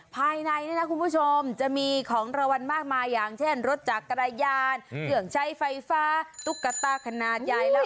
ภายในนี่นะคุณผู้ชมจะมีของรางวัลมากมายอย่างเช่นรถจักรยานเครื่องใช้ไฟฟ้าตุ๊กตาขนาดใหญ่